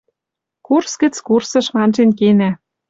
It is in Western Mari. Курс гӹц курсыш ванжен кенӓ.